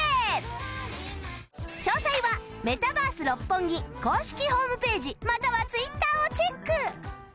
詳細はメタバース六本木公式ホームページまたは Ｔｗｉｔｔｅｒ をチェック！